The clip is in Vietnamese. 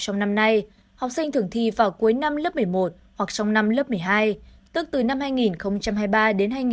hoặc trong năm lớp một mươi hai tức từ năm hai nghìn hai mươi ba đến hai nghìn hai mươi bốn